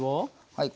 はい。